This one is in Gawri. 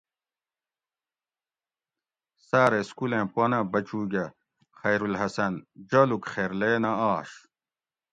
"سارہ سکولیں پنہ بچوگہ ""خیرالحسن"" جالوگ خیرلے نہ آش"